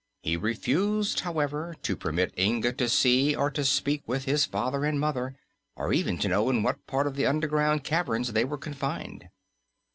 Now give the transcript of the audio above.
He refused, however, to permit Inga to see or to speak with his father and mother, or even to know in what part of the underground caverns they were confined.